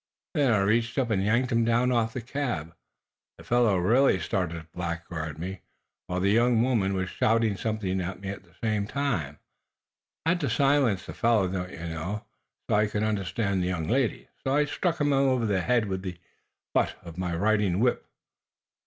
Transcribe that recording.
Then I reached up and yanked him down off the cab. The fellow really started to blackguard me, while the young woman was shouting something at me at the same time I had to silence the fellow, don't you know, so I could understand the young lady. So I struck him over the head with the butt of my riding whip.